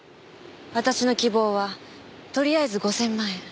私の希望はとりあえず５０００万円。